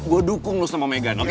gue dukung lu sama megan oke